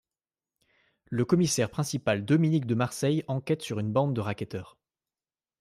Le commissaire principal Dominique de Marseille enquête sur une bande de racketteurs.